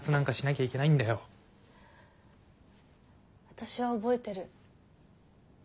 私は覚えてる。